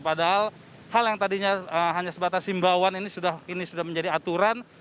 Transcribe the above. padahal hal yang tadinya hanya sebatas himbauan ini sudah menjadi aturan